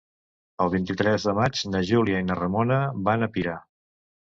El vint-i-tres de maig na Júlia i na Ramona van a Pira.